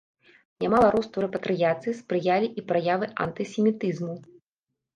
Нямала росту рэпатрыяцыі спрыялі і праявы антысемітызму.